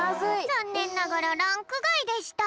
ざんねんながらランクがいでした。